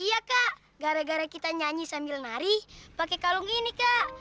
iya kak gara gara kita nyanyi sambil nari pakai kalung ini kak